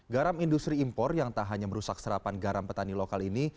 garam industri impor yang tak hanya merusak serapan garam petani lokal ini